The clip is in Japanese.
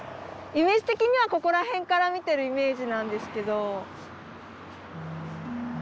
イメージ的にはここら辺から見てるイメージなんですけど。